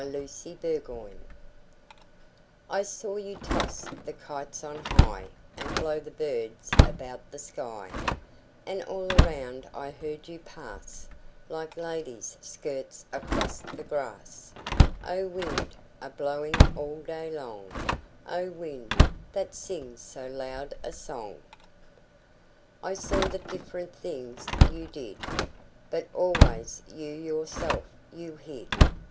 The Wind I SAW you toss the kites on highAnd blow the birds about the sky; And all around I heard you pass, Like ladies' skirts across the grass—O wind, a blowing all day long,O wind, that sings so loud a song!I saw the different things you did, But always you yourself you hid.